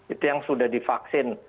itu yang sudah divaksin